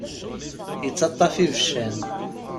Ittaṭṭaf ibeccan.